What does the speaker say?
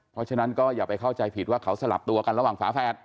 เพราะฉะนั้นก็อย่าไปเข้าใจผิดว่าเขาสลับตัวกันระหว่างฝาแฝด